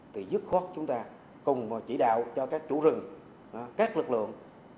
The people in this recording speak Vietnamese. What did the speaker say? thì dứt khoát chúng ta cùng chỉ đạo cho các chủ rừng các lực lượng